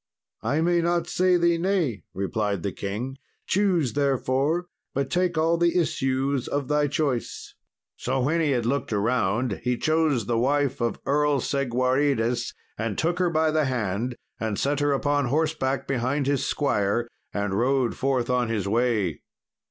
"I may not say thee nay," replied the king; "choose therefore, but take all the issues of thy choice." So when he had looked around, he chose the wife of Earl Segwarides, and took her by the hand, and set her upon horseback behind his squire, and rode forth on his way.